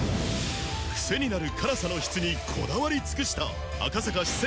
クセになる辛さの質にこだわり尽くした赤坂四川